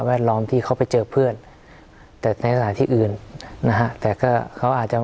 ล้อมที่เขาไปเจอเพื่อนแต่ในสถานที่อื่นนะฮะแต่ก็เขาอาจจะ